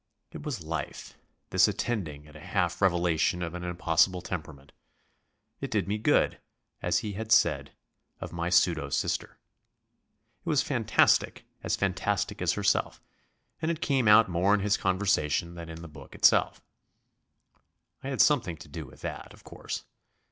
It was life, this attending at a self revelation of an impossible temperament. It did me good, as he had said of my pseudo sister. It was fantastic as fantastic as herself and it came out more in his conversation than in the book itself. I had something to do with that, of course.